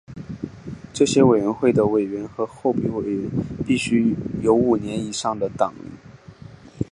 这些委员会的委员和候补委员必须有五年以上的党龄。